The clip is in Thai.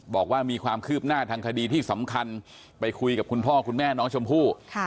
บอกว่ามีความคืบหน้าทางคดีที่สำคัญไปคุยกับคุณพ่อคุณแม่น้องชมพู่